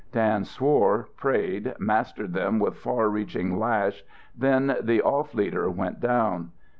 Dan swore, prayed, mastered them with far reaching lash, then the off leader went down.